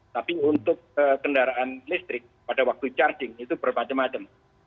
tapi untuk kendaraan listrik pada waktu charging itu bermacam macam